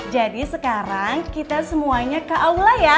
jadi sekarang kita semuanya ke aula ya